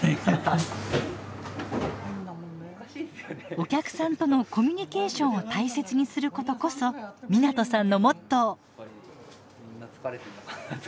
お客さんとのコミュニケーションを大切にすることこそ湊さんのモットー。